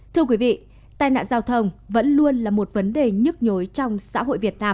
thưa quý vị tai nạn giao thông vẫn luôn là một vấn đề nhức nhối trong xã hội việt nam